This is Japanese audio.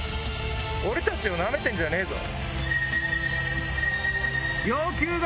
俺たちをナメてんじゃねえぞ。